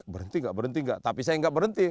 berhenti tidak berhenti tidak tapi saya tidak berhenti